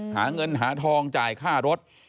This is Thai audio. หาเงินหาทองจ่ายค่ารถ